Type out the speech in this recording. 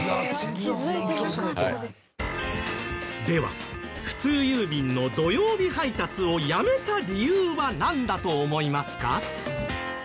では普通郵便の土曜日配達をやめた理由はなんだと思いますか？